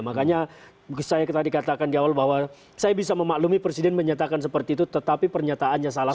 makanya saya tadi katakan di awal bahwa saya bisa memaklumi presiden menyatakan seperti itu tetapi pernyataannya salah